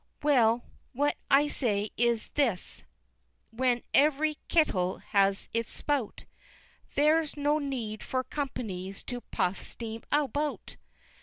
Well, what I says is This when every Kittle has its spout, Theirs no nead for Companys to puff steem about!